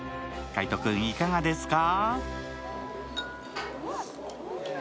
海音君、いかがですか？